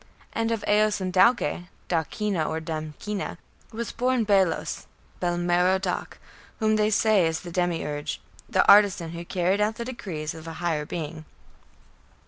And of Aos and Dauke (Dawkina or Damkina) was born Belos (Bel Merodach), whom they say is the Demiurge" (the world artisan who carried out the decrees of a higher being).